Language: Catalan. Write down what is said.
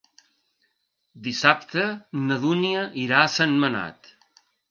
Dissabte na Dúnia irà a Sentmenat.